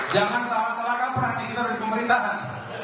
jangan salah salahkan perhatian kita dari pemerintahan